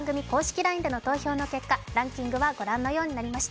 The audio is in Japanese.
ＬＩＮＥでの投票の結果、ランキングはご覧のようになりました。